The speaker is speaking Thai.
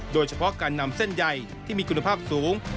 โดยเฉพาะการนำเส้นใหญ่ที่มีคุณภาพสูง